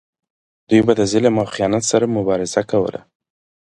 دوی به د ظلم او خیانت سره مبارزه کوله.